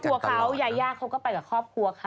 ตัวเขายายาเขาก็ไปกับครอบครัวเขา